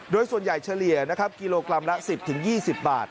โดยส่วนใหญ่เฉลี่ยนะครับกิโลกรัมละ๑๐๒๐บาท